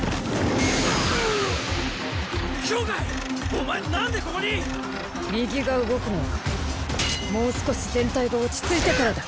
お前何でここに⁉右が動くのはもう少し全体が落ち着いてからだ。